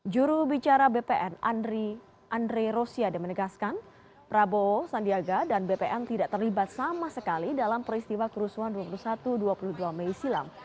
juru bicara bpn andre rosiade menegaskan prabowo sandiaga dan bpn tidak terlibat sama sekali dalam peristiwa kerusuhan dua puluh satu dua puluh dua mei silam